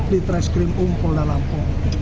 di trashcrim um pol dalampung